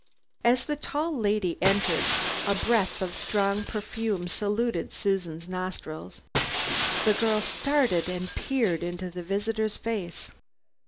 As the tall lady entered, a breath of strong perfume saluted Susan's nostrils. The girl started and peered into the visitor's face.